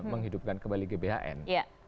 menghidupkan kembali gbhn